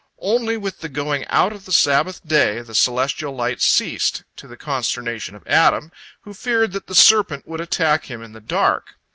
Only with the going out of the Sabbath day the celestial light ceased, to the consternation of Adam, who feared that the serpent would attack him in the dark.